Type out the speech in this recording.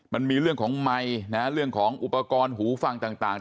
มันมีเรื่องของไมค์เรื่องของอุปกรณ์หูฟังต่าง